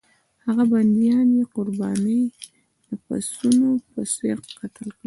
هغه بندیان یې د قربانۍ د پسونو په څېر قتل کړل.